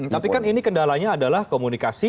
tapi kan ini kendalanya adalah komunikasi